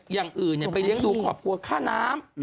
อย่างอื่นไปเลี้ยงดูครอบครัวค่าน้ำ